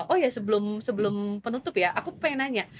oh ya sebelum penutup ya aku pengen nanya